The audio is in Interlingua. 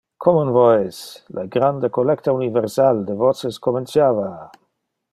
Common Voice - Le grande collecta universal de voces comenciava!